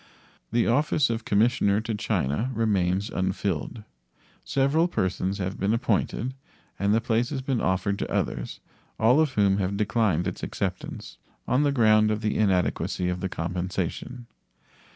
The office of commissioner to China remains unfilled. Several persons have been appointed, and the place has been offered to others, all of whom have declined its acceptance on the ground of the inadequacy of the compensation.